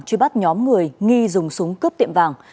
truy bắt nhóm người nghi dùng súng cướp tiệm vàng